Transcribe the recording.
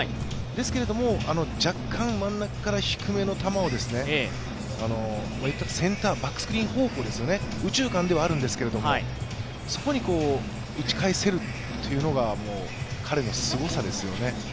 ですけれども、若干真ん中から低めの球を、センター、バックスクリーン方向ですよね、右中間ではあるんですがそこに打ち返せるというのが彼のすごさですよね。